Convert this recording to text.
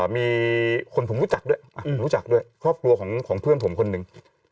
มีคนผมรู้จักด้วยครอบครัวของเพื่อนผมคนหนึ่ง